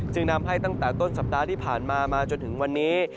นำให้ตั้งแต่ต้นสัปดาห์ที่ผ่านมามาจนถึงวันนี้